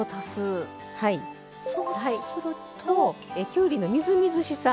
きゅうりのみずみずしさ